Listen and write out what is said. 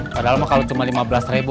padahal mah kalau cuma lima belas ribu